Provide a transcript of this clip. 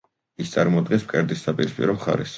ის წარმოადგენს მკერდის საპირისპირო მხარეს.